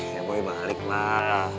ya boy balik lah